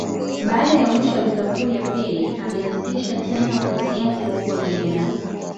Baada ya mwisho wa Vita Kuu ya Pili, alianzisha tena ofisi yake huko Vienna.